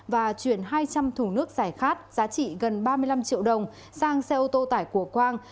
và chuyển hai trăm linh thùng nước giải khát giá trị gần ba mươi năm triệu đồng sang xe ô tô tải của quang